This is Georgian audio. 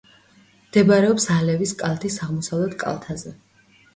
მდებარეობს ალევის ქედის აღმოსავლეთ კალთაზე.